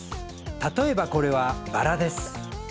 たとえばこれはバラです。